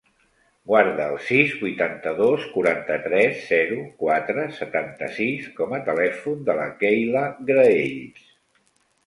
Guarda el sis, vuitanta-dos, quaranta-tres, zero, quatre, setanta-sis com a telèfon de la Keyla Graells.